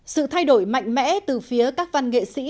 sự thay đổi mạnh mẽ từ phía các văn nghệ sĩ